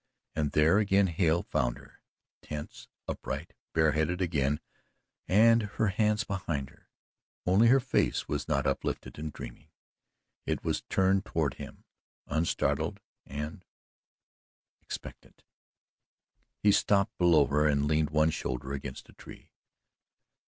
And there again Hale found her, tense, upright, bareheaded again and her hands behind her; only her face was not uplifted and dreaming it was turned toward him, unstartled and expectant. He stopped below her and leaned one shoulder against a tree.